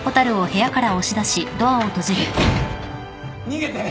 逃げて！